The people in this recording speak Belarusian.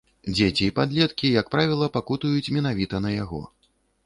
Дзеці і падлеткі, як правіла, пакутуюць менавіта на яго.